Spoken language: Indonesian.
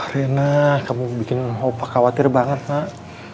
rena kamu bikin opak khawatir banget nak